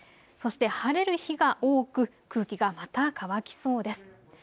そして、晴れる日が多く空気がまた乾きそうです。